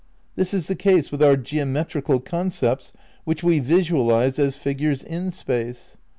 This is the case with our geometrical concepts which we visualise as figures in space.